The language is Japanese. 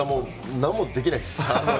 なんもできないっす。